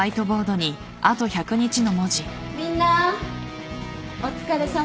みんなお疲れさま。